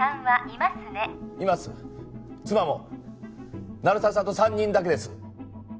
います妻も鳴沢さんと三人だけです